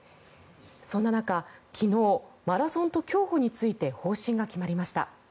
そんな中、昨日マラソンと競歩について方針が決まりました。